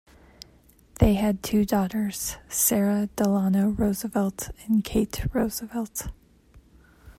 They had two daughters, Sara Delano Roosevelt and Kate Roosevelt.